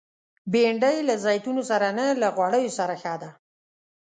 بېنډۍ له زیتونو سره نه، له غوړیو سره ښه ده